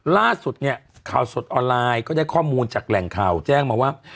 ล่าสุดเนี่ยข่าวสดออนไลน์ก็ได้ข้อมูลจากแหล่งข่าวแจ้งมาว่า